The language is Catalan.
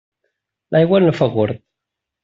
L'aigua no fa gord.